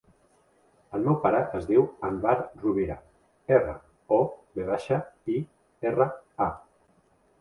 El meu pare es diu Anwar Rovira: erra, o, ve baixa, i, erra, a.